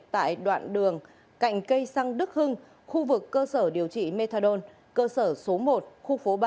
tại đoạn đường cạnh cây xăng đức hưng khu vực cơ sở điều trị methadone cơ sở số một khu phố bảy